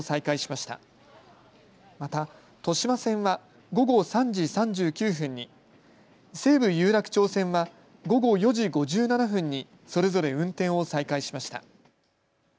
また、豊島線は午後３時３９分に、西武有楽町線は午後４時５７分にそれぞれ運転を再開しました。